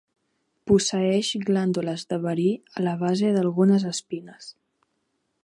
Posseeix glàndules de verí a la base d'algunes espines.